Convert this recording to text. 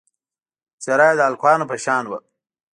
څېره یې د هلکانو په شان وه.